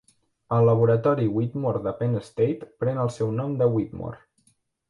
El Laboratori Whitmore de Penn State pren el seu nom de Whitmore.